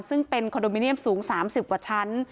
ซึ่งเป็นคอนโดมิเนียมสูง๓๐กว่าชั้น